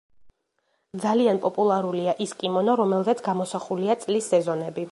ძალიან პოპულარულია ის კიმონო, რომელზეც გამოსახულია წლის სეზონები.